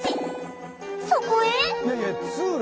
そこへ！